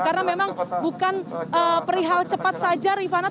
karena memang bukan perihal cepat saja riffana